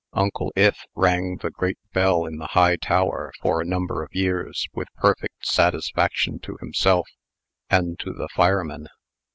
Uncle Ith rang the great bell in the high tower for a number of years, with perfect satisfaction to himself and to the firemen.